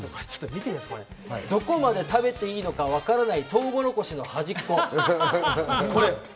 どこまで食べていいのかわからないトウモロコシのはじっこ。